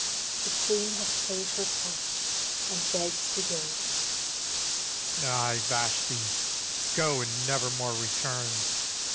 The queen hath played her part and begs to go. AHASUERAS Ay, Vashti, go and never more return!